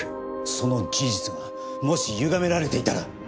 その事実がもしゆがめられていたら。